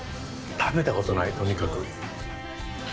食べたことない、とにかく。